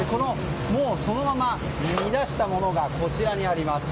そのまま、煮出したものがこちらにあります。